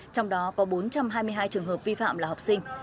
trong đó có bốn trăm hai mươi hai trường hợp vi phạm là học sinh